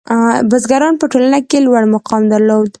• بزګران په ټولنه کې لوړ مقام درلود.